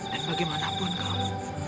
dan bagaimanapun kamu